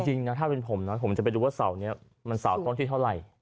จริงนะถ้าเป็นผมนะผมจะไปดูว่าเสาร์นี้มันเสาต้นที่เท่าไหร่